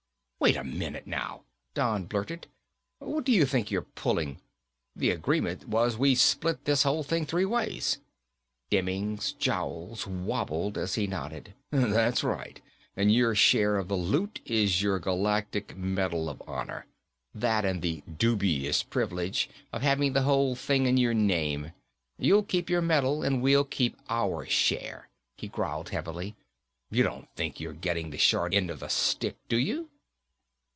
"Wait a minute, now," Don blurted. "What do you think you're pulling? The agreement was we split this whole thing three ways." Demming's jowls wobbled as he nodded. "That's right. And your share of the loot is your Galactic Medal of Honor. That and the dubious privilege of having the whole thing in your name. You'll keep your medal, and we'll keep our share." He growled heavily, "You don't think you're getting the short end of the stick, do you?"